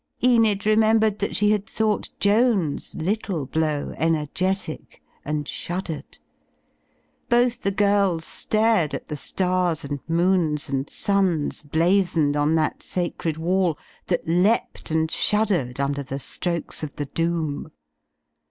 Enid remembered that she had thought Joan's little blow energetic, and shuddered. Both the girls stared at the stars and moons and suns blazoned on that sa cred wall that leapt and shuddered under the strokes of the doom.